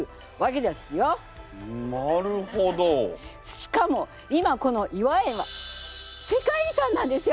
しかも今この頤和園は世界遺産なんですよ